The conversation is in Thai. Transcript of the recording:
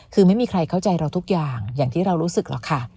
คือไม่มีใครเข้าใจเราทุกอย่างอย่างที่เรารู้สึกหรอกค่ะ